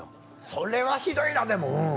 それはひどいなでもうん。